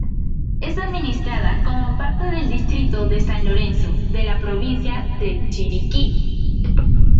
Es administrada como parte del distrito de San Lorenzo, de la Provincia de Chiriquí.